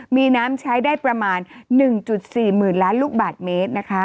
มีน้ำใช้ได้ประมาณ๑๔หมื่นล้านลูกบาทเมตร